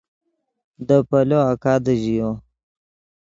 دے پیلو آکادے ژیو